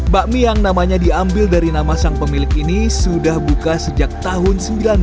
bakmi yang namanya diambil dari nama sang pemilik ini sudah buka sejak tahun seribu sembilan ratus sembilan puluh